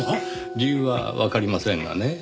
理由はわかりませんがね。